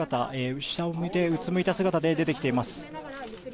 下を向いて、うつむいた姿で出てきています。